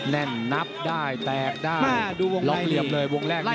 แน่นนับได้แตกได้ลองเหลี่ยมเลยวงแรกนี้